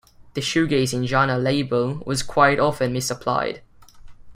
The shoegazing genre label was quite often misapplied.